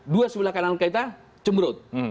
dua sebelah kanan kita cembrut